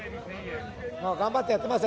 頑張ってやってますよ。